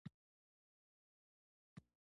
د یوې لسیزې راهیسې